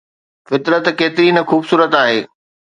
فطرت ڪيتري نه خوبصورت آهي